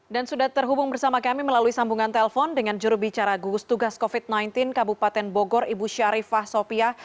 dan sudah terhubung bersama kami melalui sambungan telpon dengan jurubicara gugus tugas covid sembilan belas kabupaten bogor ibu sharifah sopya